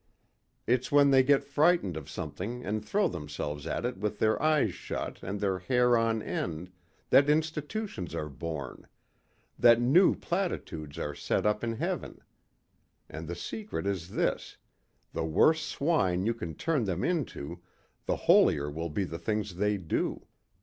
It's when they get frightened of something and throw themselves at it with their eyes shut and their hair on end, that institutions are born ... that new platitudes are set up in heaven. And the secret is this the worse swine you can turn them into, the holier will be the things they do.